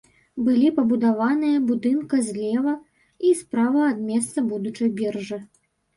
Былі пабудаваныя будынка злева і справа ад месца будучай біржы.